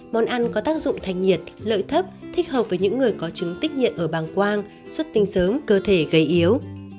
món ăn có tác dụng thành nhiệt lợi thấp thích hợp với những người có trứng tích nhiệt ở bằng quang suất tinh sớm cơ thể gầy yếu